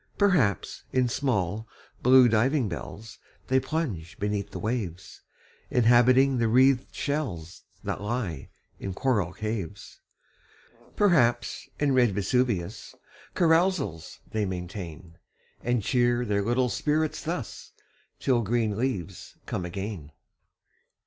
Perhaps, in small, blue diving bells They plunge beneath the waves, Inhabiting the wreathed shells That lie in coral caves. Perhaps, in red Vesuvius Carousals they maintain ; And cheer their little spirits thus, Till green leaves come again.